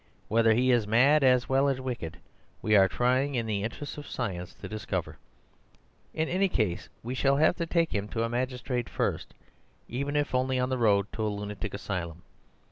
Whether he is mad as well as wicked, we are trying, in the interests of science, to discover. In any case, we shall have to take him to a magistrate first, even if only on the road to a lunatic asylum.